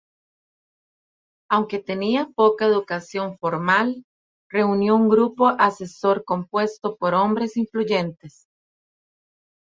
Aunque tenía poca educación formal, reunió un grupo asesor compuesto por hombres influyentes.